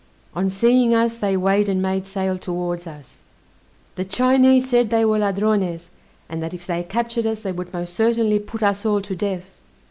On seeing us they weighed and made sail towards us. The Chinese said they were Ladrones, and that if they captured us they would most certainly put us all to death!